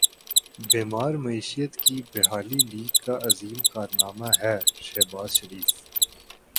بیمار معیشت کی بحالی لیگ کا عظیم کارنامہ ہے شہباز شریف